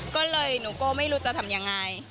ก็เลยหนูก็ไม่รู้จะทำยังไง